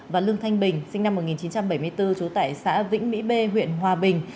và lương thanh bình sinh năm một nghìn chín trăm bảy mươi bốn trú tại xã vĩnh mỹ b huyện hòa bình